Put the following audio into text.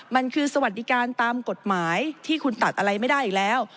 มันคือสวัสดิการตามกฎหมายที่คุณตัดอะไรไม่ได้อีกแล้ว